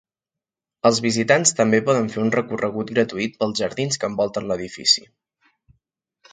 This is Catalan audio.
Els visitants també poden fer un recorregut gratuït pels jardins que envolten l'edifici.